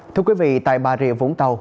thưa quý vị tại bà rịa vũng tàu